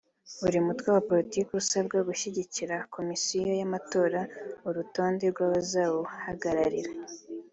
buri mutwe wa politiki usabwa gushyikiriza Komisiyo y’amatora urutonde rw’abazawuhagararira